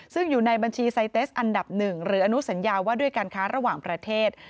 ซึ่งอยู่ในบัญชีไซเตสอันดับ๑หรืออนุสัญญาว่าด้วยการค้าระหว่างประเทศ